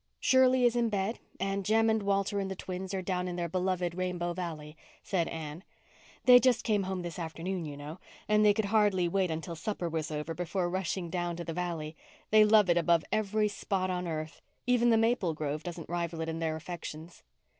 "Shirley is in bed and Jem and Walter and the twins are down in their beloved Rainbow Valley," said Anne. "They just came home this afternoon, you know, and they could hardly wait until supper was over before rushing down to the valley. They love it above every spot on earth. Even the maple grove doesn't rival it in their affections."